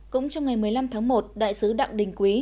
cũng trong ngày một mươi năm tháng một đại sứ đặng đình quý